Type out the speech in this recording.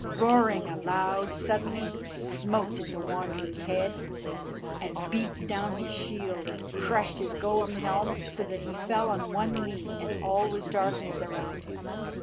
Roaring aloud, suddenly he smote at the Wanderer's head, and beat down his shield, and crushed his golden helm so that he fell on one knee, and all was darkness around him.